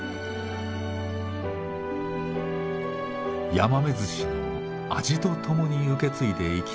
ヤマメずしの味とともに受け継いでいきたい先祖の記憶です。